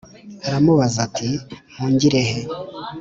aramubaza ati: “Mpungire he?